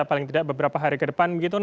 paling tidak beberapa hari ke depan begitu